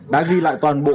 đã ghi lại toàn bộ